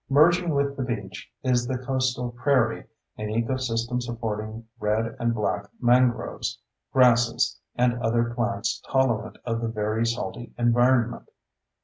Merging with the beach is the coastal prairie, an ecosystem supporting red and black mangroves, grasses, and other plants tolerant of the very salty environment.